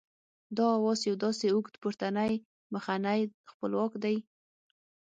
دا آواز یو داسې اوږد پورتنی مخنی خپلواک دی